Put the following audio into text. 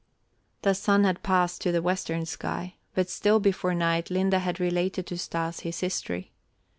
The sun had passed to the western sky, but still before night Linde had related to Stas his history.